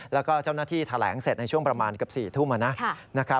แล้วก็เจ้าหน้าที่แถลงเสร็จในช่วงประมาณเกือบ๔ทุ่ม